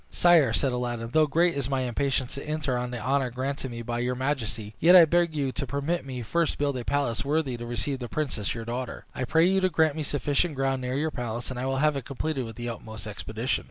"Sire," said Aladdin, "though great is my impatience to enter on the honor granted me by your majesty, yet I beg you to permit me first to build a palace worthy to receive the princess your daughter. I pray you to grant me sufficient ground near your palace, and I will have it completed with the utmost expedition."